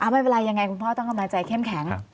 ไม่เป็นไรยังไงคุณพ่อต้องกำลังใจเข้มแข็ง